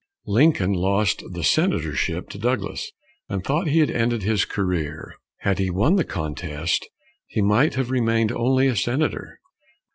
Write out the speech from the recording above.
Lincoln lost the senatorship to Douglas and thought he had ended his career; had he won the contest, he might have remained only a senator.